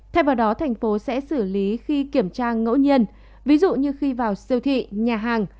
thay vào đó thành phố sẽ xử lý khi kiểm tra ngẫu nhiên ví dụ như khi vào siêu thị nhà hàng